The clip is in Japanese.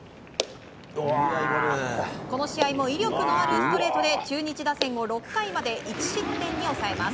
この試合も威力のあるストレートで中日打線を６回まで１失点に抑えます。